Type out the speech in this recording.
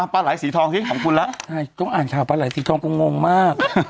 อ้อปลาไหลสีทองเลยของคุณแล้วใช่ต้องอ่านชาวปลาไหลสีทองก็งงมาก